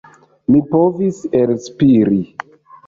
Mi povis elspiri.